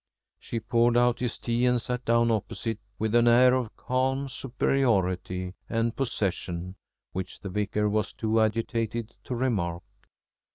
She poured out his tea and sat down opposite, with an air of calm superiority and possession (which the Vicar was too agitated to remark).